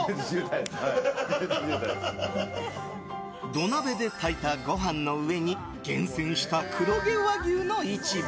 土鍋で炊いたご飯の上に厳選した黒毛和牛のイチボ